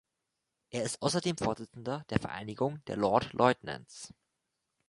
Er ist außerdem Vorsitzender der Vereinigung der Lord Lieutenants.